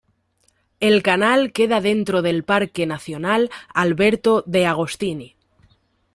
El canal queda dentro del parque nacional Alberto de Agostini.